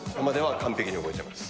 完璧に覚えています。